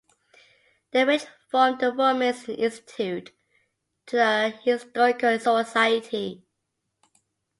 They range form the Women's Institute to the Historical Society.